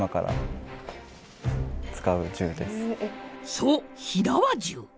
そう火縄銃。